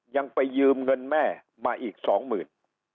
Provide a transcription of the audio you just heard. ยังไปยืมเงินแม่มาอีกสองหมื่น